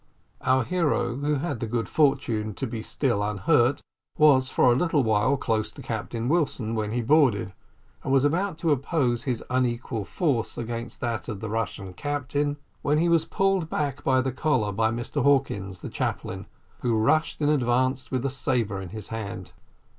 Our hero, who had the good fortune to be still unhurt, was for a little while close to Captain Wilson when he boarded, and was about to oppose his unequal force against that of the Russian captain, when he was pulled back by the collar by Mr Hawkins, the chaplain, who rushed in advance with a sabre in his hand.